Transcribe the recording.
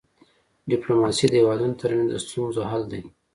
ډيپلوماسي د هيوادونو ترمنځ د ستونزو حل دی.